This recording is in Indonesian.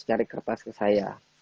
cari kertas ke saya